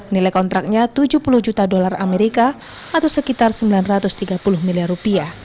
nilai kontraknya tujuh puluh juta dolar amerika atau sekitar rp sembilan ratus tiga puluh miliar rupiah